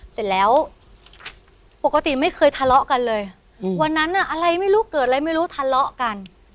เสร็จแล้วปกติไม่เคยทะเลาะกันเลยวันนั้นอะไรไม่รู้เกิดอะไรไม่รู้ทะเลาะกัน